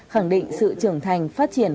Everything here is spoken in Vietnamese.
khẳng định sự trưởng thành phát triển